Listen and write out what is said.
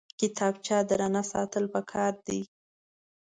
کتابچه درنه ساتل پکار دي